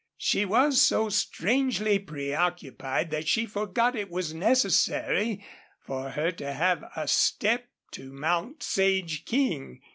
She was so strangely preoccupied that she forgot it was necessary for her to have a step to mount Sage King.